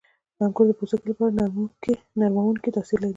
• انګور د پوستکي لپاره نرمونکی تاثیر لري.